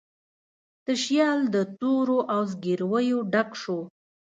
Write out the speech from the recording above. تشیال د تورو او زګیرویو ډک شو